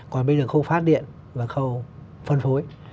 còn bây giờ khâu phát điện và khâu phân phối